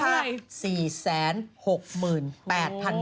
เกินคุม